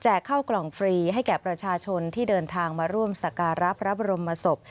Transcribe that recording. เข้ากล่องฟรีให้แก่ประชาชนที่เดินทางมาร่วมสการะพระบรมศพ